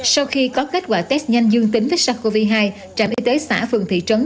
sau khi có kết quả test nhanh dương tính với sars cov hai trạm y tế xã phường thị trấn